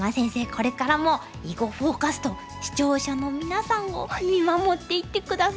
これからも「囲碁フォーカス」と視聴者の皆さんを見守っていって下さいね。